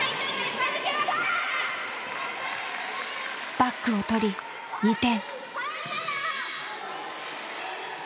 バックをとり２点。